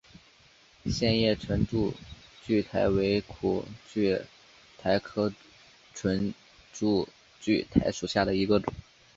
线叶唇柱苣苔为苦苣苔科唇柱苣苔属下的一个种。